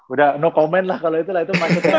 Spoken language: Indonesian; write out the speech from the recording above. udah no comment lah kalo itu